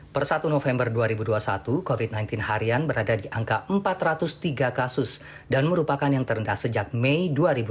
per satu november dua ribu dua puluh satu covid sembilan belas harian berada di angka empat ratus tiga kasus dan merupakan yang terendah sejak mei dua ribu dua puluh